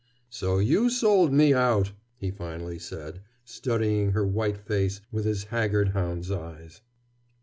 "So you sold me out!" he finally said, studying her white face with his haggard hound's eyes.